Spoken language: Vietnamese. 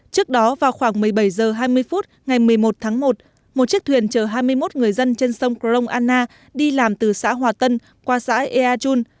trước đó vào khoảng một mươi bảy h hai mươi phút ngày một mươi một tháng một một chiếc thuyền chở hai mươi một người dân trên sông crong anna đi làm từ xã hòa tân qua xã ea chun